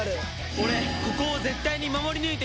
俺ここを絶対に守り抜いてみせます！